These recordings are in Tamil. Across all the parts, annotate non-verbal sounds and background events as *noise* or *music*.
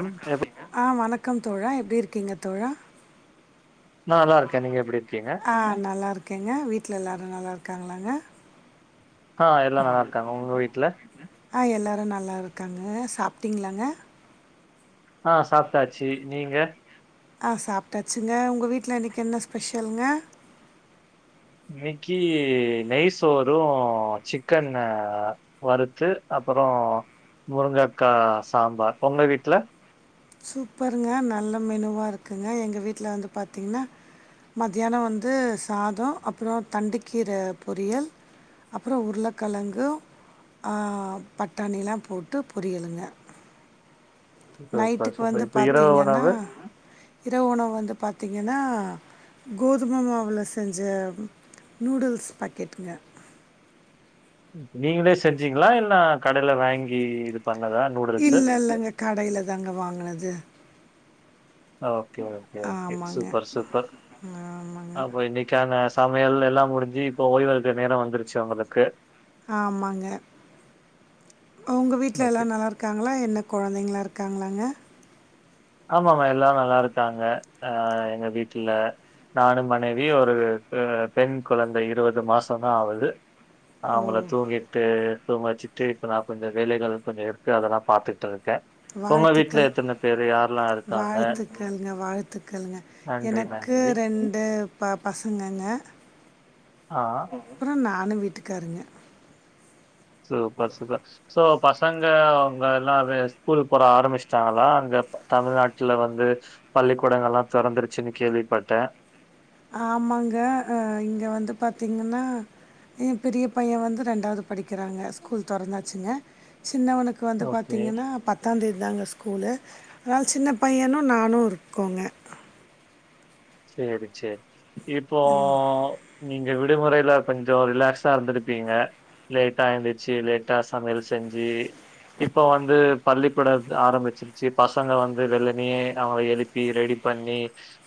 நா ஆ வணக்கம் தோழா எப்டி இருக்கிங்க தோழா நா நல்லா இருக்க நீங்க எப்படி இருக்கிங்க ஆ நல்லாருக்கேங்க வீட்ல எல்லாரு நல்லாருக்காங்ளாங்க ஆ எல்லா நல்லாருக்காங்க உங்க வீட்ல ஆ எல்லாரு நல்லா இருக்காங்க சாப்ட்டிங்ளாங்க ஆ சாப்பிட்டாச்சி நீங்க ஆ சாப்ட்டாச்சுங்க உங்க வீட்ல இன்னைக்கு என்ன ஸ்பெஷல்ங்க இன்னக்கி நெய் சோறு சிக்கன் அ வறுத்து அப்பறோ முருங்கக்கா சாம்பார் உங்க வீட்ல சூப்பர்ங்க நல்ல மெனுவா இருக்குங்க எங்க வீட்ல வந்து பாத்திங்னா மத்யான வந்து சாதோ அப்றோ தண்டுக்கீர பொரியல் அப்பற உருளக்கெழங்கு ஆ பட்டாணிலா போட்டு பொரியலுங்க சூப்பர் நைட்டுக்கு வந்து சூப்பர் இப்ப இரவு பாத்திங்கனா உணவு இரவு உணவு வந்து பாத்திங்கனா கோதும மாவுல செஞ்ச நூடுல்ஸ் பாக்கெட்டுங்க நீங்களே செஞ்சிங்களா இல்ல கடைல வாங்கி இது பண்ணதா நூடுல்ஸு இல்ல இல்லங்க கடைல தாங்க வாங்குனது ஓகே ஓகே ஓகே ஆமாங்க சூப்பர் சூப்பர் ஆமாங்க அப்போ இன்னைக் தியான சமையல் எல்லா முடிஞ்சி இப்போ ஓய்வெடுக்கற நேர வந்துருச்சு உங்களுக்கு ஆமாங்க உங்க வீட்ல எல்லாரு நல்லாருக் காங்ளா என்ன கொழந்தைங்ளா இருக்காங்ளாங்க ஆமாமா எல்லாரு நல்லாருக்காங்க அ எங்க வீட்டுல நானு மனைவி ஒரு பெண் குழந்தை இருபது மாசந்தா ஆவுது ஓ அவுங்கள தூங்கிட்டு தூங்க வெச்சு ட்டு இப்பதா கொஞ்ச வேலைகள் கொஞ்ச இருக்கு அதல்லா பாத்துட்ருக்கே உங்க வீட்ல வாழ்த்துக்கள் எத்தன பேரு யார் வாழ்த்துக்கள்ங்க வாழ்த்துக்கள்ங்க நன்றி, எனக்கு நன்றி. ரெண் டு ப பசங்கங்க ஆ அப்பற நானு வீட்டுக்காருங்க சூப்பர் சூப்ப ஸோ பசங்க அவுங்க எல்லாமே ஸ்கூல் போற ஆரம்பிச்சுட்டாங்களா அங்க தமிழ்நாட்ல வந்து பள்ளிக்கூடங்கல்லா தொறந்துருச்சுன்னு கேள்விப்பட்ட ஆமாங்க அ இங்க வந்து பாத்திங்கன்னா எ பெரிய பைய வந்து ரெண்டாவுது படிக்கிறாங்க ஸ்கூல் தொறந்தாச்சுங்க சின்னவனுக் கு வந்து ஓகே. பாத்திங்கன்னா பத் தாந் தேதிதாங்க ஸ்கூலு அதுனால சின்ன பையனு நானு இருக்கோங்க சேரி சேரி இப்போ நீங்க விடுமுறைல கொஞ்ச ரிலாக்ஸா இருந்திருப்பிங்க லேட்டா எந்திரிச்சு லேட்டா சமையல் செஞ்சு இப்ப வந்து பள்ளிக்கூட ஆரம்பிச் சு பசங்க வந்து வெள்ளனையே அவுங்கள எழுப்பி ரெடி பண்ணி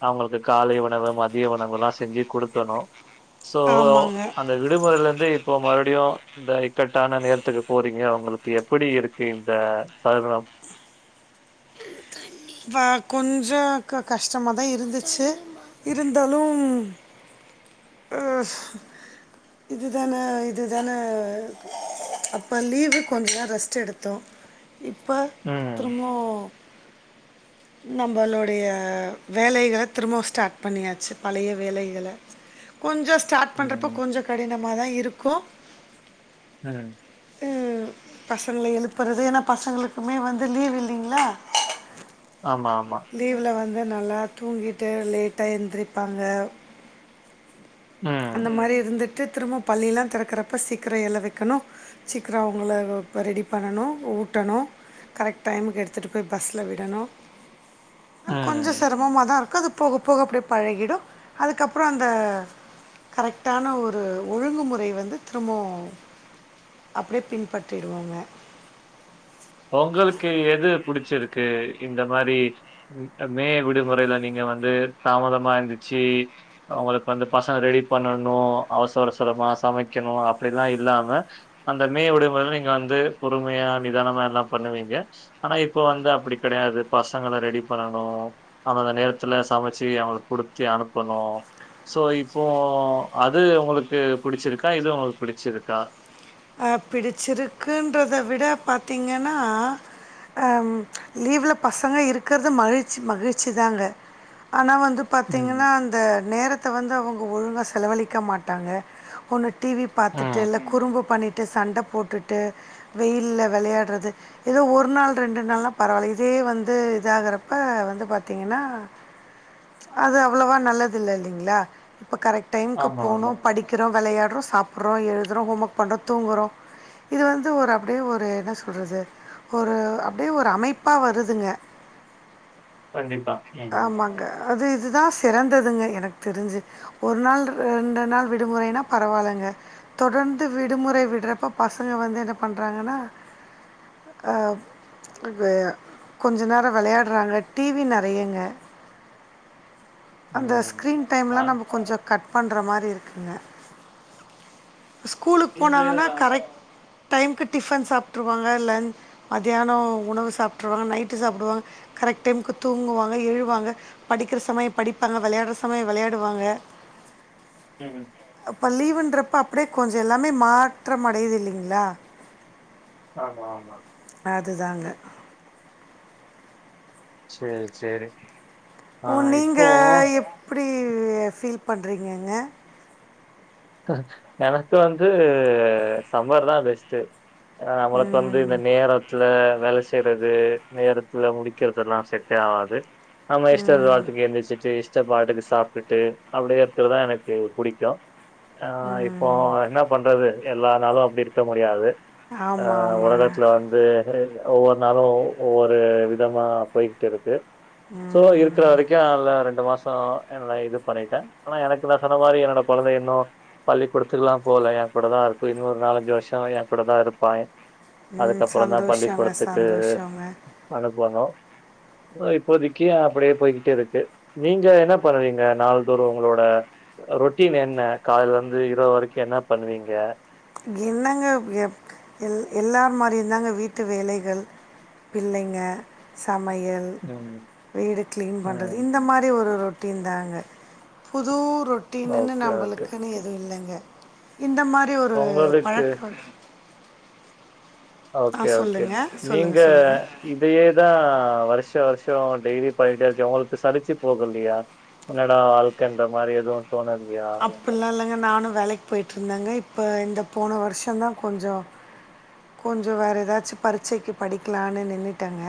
அவுங்களுக்கு காலை உணவு மதிய உணவுலா செஞ்சு குடுக்கணு சோ ஆமாங்க. இந்த விடுமுறைல இருந்து இப்போ மறுடியு இந்த இக்கட்டான நேரத்துக்கு போறீங்க உங்களுக்கு எப்டி இருக்கு இந்த சைய்ரம் கொஞ்சோ கஷ்டமா தா இருந்துச்சு இருந்தாலு ஆ இதுதான இதுதான அப்ப லீவு கொஞ்சோ ரெஸ்ட் எடுத்தோ இப்ப ம். திரும்பவு நம்பளோடைய வேலைகள திரும்பவு ஸ்டார்ட் பண்ணியாச்சு பழைய வேலைகள கொஞ்சோ ஸ்டாட் பண்றப்ப ம். கொஞ்சோ கடினமா தா இருக்கு ஆ வந்து பசங்கள எழுப்புறது ஏனா பசங்களுக்குமே வந்து லீவு இல்லிங்களா ஆமா ஆமா லீவ்ல வந்து நல்லா தூங்கிட்டு லேட்டா எந்திருப்பாங்க ம். அந்த மாரி இருந்துட்டு திரும்ப பள்ளியெல்லா தெறக்கறப்ப சீக்கிரோ எல வைக்கணு சீக்கிரோ அவங்கள ரெடி பண்ணணு ஊட்டணு கரெக்ட் டைமுக்கு எடுத்துட்டு போய் பஸ்ல விடணு ம். கொஞ்சோ சிரமமா தா இருக்கு அது போக போக அப்டியே பழகிடு அதுக்கப்றோ அந்த கரெக்டான ஒரு ஒழுங்குமுறை வந்து திரும்பவு அப்டியே பின்பற்றிடுவோங்க உங்களுக்கு எது பிடிச்சிருக்கு இந்த மாரி மே விடுமுறையில நீங்க வந்து தாமதமா எழுந்துருச்சு உங்களுக்கு வந்து பசங்க ரெடி பண்ணணு அவசர அவசரமா சமைக்கணு அப்டிலாஇல்லாம அந்த மே விடுமுறைல நீங்க வந்து பொறுமையா நிதானமா எல்லா பண்ணுவீங்க ஆனா இப்ப வந்து அப்டி கெடையாது பசங்கள ரெடி பண்ணணு அந்தந்த நேரத்துல சமைச்சு அவுங்களுக்கு குடுத்தி அனுப்பணு சோ இப்போ அது உங்களுக்கு பிடிச்சிருக்கா இது உங்களுக்கு பிடிச்சிருக்கா அ பிடிச்சிருக்குன்றத விட பாத்தீங்கன்னா ஆ லீவ்ல பசங்க இருக்கறது மகிழ்ச்சி மகிழ்ச்சிதாங்க ஆனா வந்து ம். பாத்தீங்கன்னா அந்த நேரத்தை வந்து அவுங்க ஒழுங்காக செலவழிக்க மாட்டாங்க ஒன்னு டி வி பாத்துட்டு ம். இல்ல குறும்பு பண்ணிட்டு சண்ட போட்டுட்டு வெயில விளையாடுறது ஏதோ ஒரு நாள் ரெண்டு நாள்ல்லா பரவாயில்ல இதே வந்து இதாகறப்ப வந்து பாத்தீங்கன்னா அது அவ்ளவா நல்லது இல்ல இல்லைங்களா இப்ப கரெக்ட் டைமுக்கு ஆமா, போனோ ஆமா. படிக்கிறோ விளயாடுரோ சாப்ட்றோ எழுதுறோ ஹோம் ஒர்க் பண்ணுறோ தூங்குறோ இது வந்து ஒரு அப்டியே ஒரு என்ன சொல்றது ஒரு அப்டியே ஒரு அமைப்பா வருதுங்க கண்டிப்பா ம். ஆமாங்க அது இதுதா சிறந்ததுங்க எனக்கு தெரிஞ்சு ஒரு நாள் ரெண்டு நாள் விடுமுறைனா பரவாயில்லங்க தொடர்ந்து விடுமுறை விடுறப்ப பசங்க வந்து என்ன பண்றாங்கன்னா அ இது கொஞ்ச நேரோ விளையாடுறாங்க டி வி நெ றையங்க அந்த ம். ஸ்கிரீன் டைம்லா ஆ. நம்ம கொஞ்சோ கட் பண்ணுற மாரி இருக்குங்க ஸ்கூலுக்கு இங்க போனாங்கன்னா கரெக்ட் டைமுகு டிஃபன் சாப்ருவாங்க லஞ் மத்தியானோ உணவு சாப்ட்டுருவாங்க நைட்டு சாப்டுவாங்க கரெக் டைம்க்கு தூங்குவாங்க எழுவாங்க படிக்கிற சமயோ படிப்பாங்க விளையாடுற சமயோ விளையாடுவாங்க ம் அப்ப லீவுன்றப்ப அப்டியே கொஞ்ச எல்லாமே மாற்றமடையுது இல்லைங்களா ஆமா ஆமா அதுதாங்க சேரி சேரி ஓ நீங்க எப்புடி ஃபீல் பண்றீங்கங்க எனக்கு வந்து சாம்பர் தா பெஸ்ட்டு அ நம்மளுக்கு வந்து இந்த நேர த்துல வேல செய்றது நேரத்துல முடிக்கறதெல்லா செட்டே ஆவாது நம்ம இஷ்ட பாட்டுக்கு எந்திரிச்சுட்டு இஷ்டப்பாட்டுக்கு சாப்ட்டுட்டு அப்டியே இருக்கிறதுதா எனக்கு பிடிக்கு ஆ இப்போ என்ன பண்றது எல்லா நாளு அப்டி இருக்க முடியாது ஆ ஆமாம் ஆமாங்க உலகத்துல வந்து ஒரே மா ஒவ்வொரு நாளு ஒவ்வொரு விதமா போய்ட்டு இருக்கு சோ இருக்கிற வரைக்கு அதுல ரெண்டு மாசோ எல்லா இது பண்ணிட்டே ஆனா எனக்கு நா சொன்ன மாரி என்னோட கொழந்த இன்னு பள்ளிக்கூடத்துக்குலா போல எ கூட தா இருக்கு இன்னொரு நாலஞ்சு வருஷோ எங்கூட தா இருப்பா ம் அதுக்கப்றந்தா சந்தோஷங்க பள்ளிக்கூடத்துக்கு சந்தோஷங்க அனுப்போணு இப்போதைக்கு அப்டியே போய்கிட்டே இருக்கு நீங்க என்ன பண்ணுறீங்க நாள்தோரு உங்களோட ரொட்டீன் என்ன கால்லந்து இரவு வரைக்கு என்னா பண்ணுவீங்க என்னங்க எ எ எல்லார் மாரியு தாங்க வீட்டு வேலைகள் பிள்ளைங்க சமையல் ம், வீடு க்ளீன் பண்றது ம். இந்த மாரி ஒரு ரொட்டின் தாங்க புதூ ரொ ட்டினுன்னு ஓகே, ஓகே. நம்பளுக்குன்னு எது இல்லைங்க இந்த மாரி ஒரு உங்களுக்கு பழக்கம் ஆ ஓகே ஓகே சொல்லுங்கள் நீங்க சொல்லுங்கள் சொல்லுங்கள் இதயேதா வருஷோ வருஷோ டெய்லி பண்ணிட்டே இருக்கே உங்களுக்கு சளிச்சு போகலியா என்னடா வாழ்க்கன்ற மாரி எது தோணலியா அப்பில்லா இல்லைங்க நானு வேலைக்கு போய்ட்ருந்தங்க இப்போ இந்த போன வர்ஷந்தா கொஞ்சோ கொஞ்ச வேறு எதாச்சு பரிட்சைக்கு படிக்கலானு நின்னுட்டங்க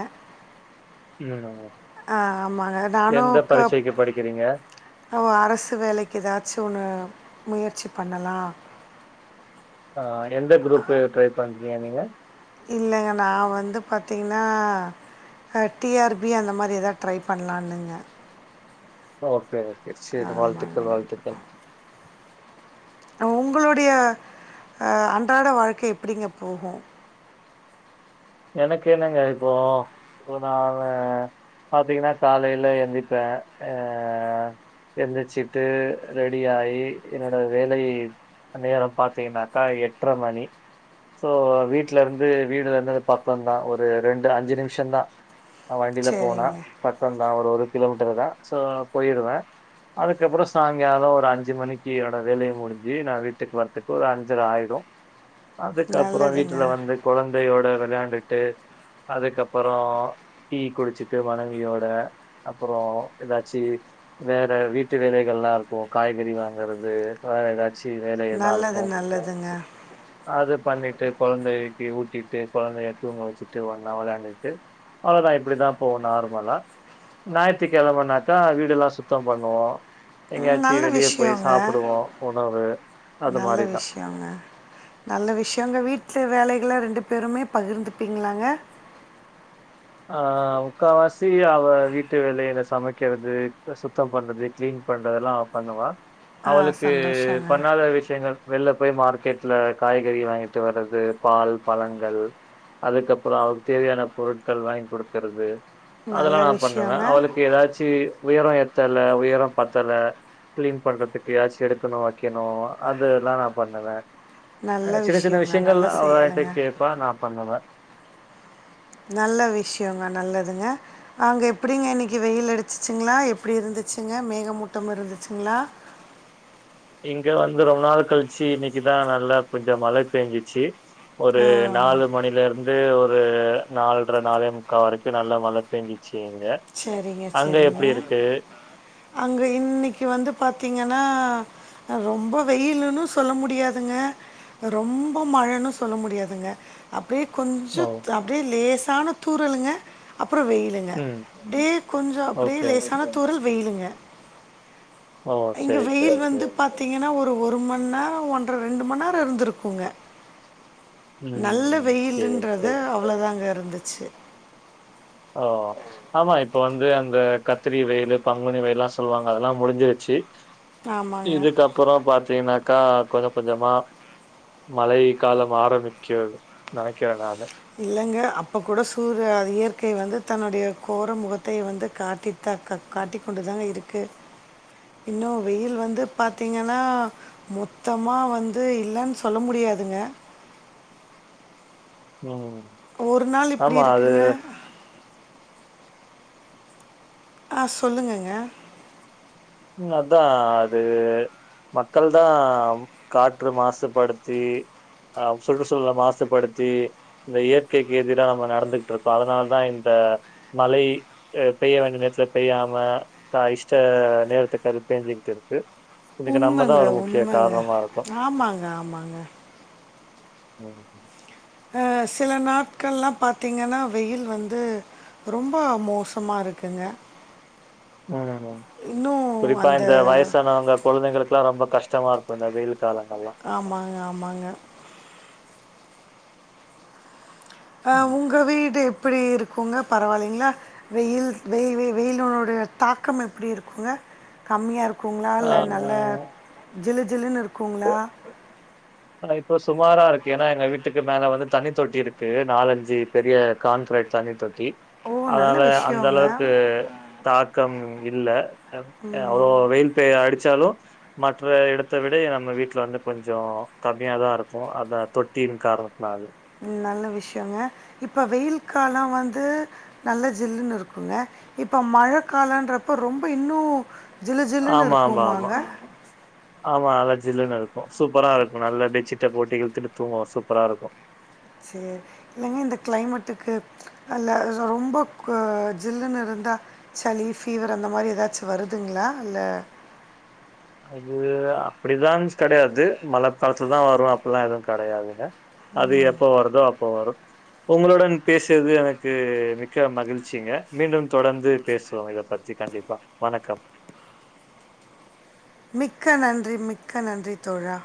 *unintelligible* ஆமாங்க எந்த பரிச்சைக்கு படிக்கிறீங்க ஓ அரசு வேலைக்கு எதாச்சு ஒன்னு முயற்சி பண்ணலா ஆ எந்த குரூப்பு ட்ரை பண்றீங்க நீங்க இல்லங்க நா வந்து பாத்தீங்கன்னா அ டி ஆர் பி அந்த மாரி எதாது ட்ரை பண்ணலான்னுங்க ஓகே ஓகே சேரி ஆமாங்க வாழ்த்துகள் ஆமாங்க வாழ்த்துகள் உங்களுடைய அ அன்றாட வாழ்க்கை எப்படிங்க போகு எனக்கு என்னங்க இப்போ இப்ப நானு பாத்தீங்கன்னா காலைல எந்திப்பே ஆ எந்திச்சிட்டு ரெடி ஆயி என்னோட வேலை நேரம் பாத்தீங்கன்னாக்கா எட்ர மணி சோ வீட்லருந்து வீடு வந்து பக்கந்தா ஒரு ரெண்டு அஞ்சு நிமிஷந் தா வண்டில போனா சரிங்க பக்கந் தா ஒரு ஒரு கிலோ மீட்ட்ரு தா சோ போயிருவே அதுக்கப்பறோ சாய்ங்காலோ ஒரு அஞ்சு மணிக்கு என்னோட வேலைய முடிஞ்சு நா வீட்டுக்கு வர்றதுக்கு ஒரு அஞ்சர ஆயிடு அதுக்கப்பறோ நல்லதுங்க வீட்ல வந்து கொழந்தையோட வெளையாண்டுட்டு அதுக்கப்பறோ டீ குடிச்சிட்டு மனவியோட அப்பறோ எதாச்சு வேற வீட்டு வேலைகள்லா இருக்கு காய்கறி வாங்கறது வேற எதாச்சு வேலை எல்லா நல்லது இருக்கு நல்லதுங்க அது பண்ணிட்டு குழந்தைக்கு ஊட்டிட்டு குழந்தைய தூங்க வெச்சுட்டு ஒன்னா வெளையாண்டுட்டு அவளதா இப்டிதா போவு நார்மலா ஞாய்த்து கெழமனாக்கா வீடுலா சுத்தோ பண்ணுவோ ம், எங்கயாச்சு நல்ல வெளியே போய் விஷயங்க சாப்புடுவோ உணவு அது மாரிதா அவுங்க நல்ல விஷயங்க வீட்டு வேலைகள்லா ரெண்டு பேருமே பகிர்ந்துப்பீங்களாங்க ஆ முக்காவாசி அவ வீட்டு வேலைய எதா சமைக்கறது சுத்தோ பண்றது க்ளீன் பண்றதுல்லா அவ பண்ணுவா ஆ அவளுக்கு சந்தோஷங்க பண்ணாத விஷயங்கள் வெள்ல போய் மார்க்கெட்ல காய்கறி வாங்கிட்டு வர்றது பால் பழங்கள் அதுக்கப்பறோ அவருக்கு தேவையான பொருட் கள் வாய்ங் குடுக்கறது அதெல்லா நல்ல நா பண்ணுவே விஷயங்க அவளுக்கு எதாச்சு உயரோ ஏ தெல்ல உயரோ பத்தல க்ளீன் பண்றதுக்கு எதாச்சு எடுக்கணு வெக்கணு அதுலா நா பண்ணுவே நல்ல சின்ன சின்ன விஷயங்க. விஷயங்கள் நல்ல அவட்ட செயலுங்க. கேப்பா நா பண்ணுவே நல்ல விஷயங்க நல்லதுங்க அங்க எப்படிங்க இன்னிக்கு வெயில் அடிச்சிச்சுங்ளா எப்டி இருந்துச்சுங்க மேகமூட்டமா இருந்துச்சுங்ளா இங்க வந்து ரொம்ப நாள் கழிச்சு இன்னிக்குதா நல்லா கொஞ்சோ மழ பெஞ்சிச்சு ஒரு ஆ. நாலு மணில இருந்து ஒரு நால்ற நாலேமுக்கா வரிக்கு நல்ல மழ பேஞ்சுச்சு இங்க செரிங்க அங்க செரிங்க எப்டி இருக்கு அங்க இன்னிக்கு வந்து பாத்தீங்கன்னா ரொம்ப வெயிலுனு சொல்ல முடியாதுங்க ரொம்ப மழனு சொல்ல முடியாதுங்க அப்டியே கொஞ்சோ ஓ அப்டியே லேசான தூறலுங்க அப்புறோ வெயிலுங்க ம் டே கொஞ்சோ அப்டியே ஓகே லேசான தூறல் வெயிலுங்க ஓ இங்க சரி வெயில் சரி வந்து சரி பாத்திங்கன்னா ஒரு ஒரு மண்நேரோ ஒன்ற ரெண்டு மண்நேரோ இருந்திருக்குங்க நல்ல ம் சரி வெயிலுன்றது அவ்வளதாங்க இருந்துச்சு ஓ ஆமா இப்போ வந்து அந்த கத்திரி வெயிலு பங்குனி வெயில்லா சொல்லுவாங்க அதெல்லா முடிஞ்சுருச்சு ஆமாங்க இதுக்கப்புறோ பாத்தீங்கன்னாக்கா கொஞ்சோ கொஞ்சமா மழை காலம் ஆரம்பிக்கரது நனைக்கிறே நானு இல்லங்க அப்ப கூட சூரிய அது இயற்கை வந்து தன்னுடைய கோர முகத்தை வந்து காட்டி க காட்டிக் கொண்டுதாங்க இருக்கு இன்னு வெயில் வந்து பாத்தீங்கன்னா மொத்தமா வந்து இல்லன் சொல்ல முடியாதுங்க ம் ஒரு நாள் இப்டி ஆமா. அது இருக்குங்க ஆ சொல்லுங்கங்க ம் அத்தா அது மக்கள்தா காற்று மாசுப்படுத்தி ஆ சுற்றுசூழல மாசுப்படுத்தி இந்த இயற்கைக்கு எதிரா நம்ம நடந்துகுட்ருக்கோ அதனாலதா இந்த மழை பெய்ய வேண்டிய நேரத்துல பெய்யாம தா இஷ்ட நேர கரு பேஞ்சிக்குட்டு இருக்கு இது நம்மதா உண்மைங்க ஒரு முக்கிய உண்மைங்க காரணமா இருக்கோ ஆமாங்க ஆமாங்க ம் ஆ சில நாட்கள்ல்லா பாத்தீங்கன்னா வெயில் வந்து ரொம்ப மோசமா இருக்குங்க ஆமா மேம் இன்னும் குறிப்பா அந்த இந்த வயசானவங்க கொழந்தைகளுக் குலா ரொம்ப கஷ்டமா இருக்கு இந்த வெயில் காலங்கள்லா ஆமாங்க ஆமாங்க ஆ உங்க வீடு எப்படி இருக்குங்க பரவால்லைங்ளா வெயில் வெ வெ வெயில்னுடைய தாக்கம் எப்படி இருக்குங்க கம்மியா இருக்குங்ளா ஆ இல்ல நல்ல ஜிலு ஜிலுனு இருக்குங்ளா ஆனா இப்போ சுமாரா இருக்கு ஏனா எங்க வீட்டுக்கு மேல வந்து தண்ணி தொட்டி இருக்கு நாலஞ்சு பெரிய கான்கிரீட் தண்ணி தொட்டி ஓ நல்ல அதனால அந்த விஷயங்க அளவுக்கு தாக்கம் இல்ல அ அவ்ளோ வெயில் பே அடிச்சாலு மற்ற எடத்த விட நம்ம வீட்ல வந்து கொஞ்சோ கம்மியாதா இருக்கு அந்த தொட்டியின் காரணத்னால் நல்ல விஷ்யோங்க இப்ப வெயில் காலோ வந்து நல்ல ஜில்லுன்னு இருக்குங்க இப்ப மழ காலன்றப்ப ரொம்ப இன்னு ஜிலு ஜிலுனு ஆமா ஆமா ஆமா இருக்கும்பாங்க ஆமா நல்ல ஜில்லுனு இருக்கு சூப்பரா இருக்கு நல்லா பெட்ஷீட் போட்டு இழுத்துட்டு தூங்கலா சூப்பரா இருக்கு செரி இல்லைங்க இந்த கிளைமேட்டுக்கு அல்ல ரொம்ப க ஜில்லுன்னு இருந்தா சளி ஃபீவர் அந்த மாரி ஏதாச்சு வருதுங்ளா இல்ல அது அப்டிதான் கெடையாது மழ காலத்துல தா வரு அப்பில்லா எதுவு கெடையாதுங்க அது எப்ப வருதோ அப்போ வரு உங்களுடன் பேசியது எனக்கு மிக்க மகிழ்ச்சிங்க மீண்டும் தொடர்ந்து பேசுவோ இத பத் தி கண்டிப்பா வணக்கம் மிக்க நன்றி மிக்க நன்றி தோழா